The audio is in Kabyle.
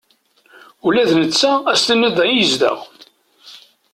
Ula d netta ad as-tiniḍ da i yezdeɣ.